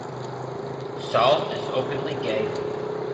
Saul is openly gay.